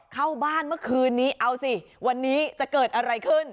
เข้าบ้านเมื่อคืนนี้เอาสิวันนี้จะเกิดอะไรขึ้น